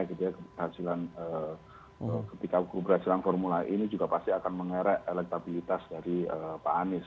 ketika keberhasilan formula e ini juga pasti akan mengerek elektabilitas dari pak anies